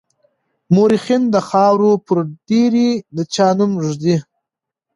مورخين د خاورو پر ډېري د چا نوم ږدي.